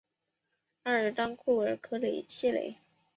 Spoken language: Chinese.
阿尔当库尔科谢雷。